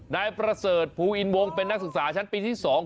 นายประเสริฐภูอินวงเป็นนักศึกษาชั้นปีที่๒